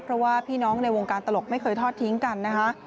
เพราะว่าพี่น้องในวงการตลกไม่เคยทอดทิ้งกันนะคะ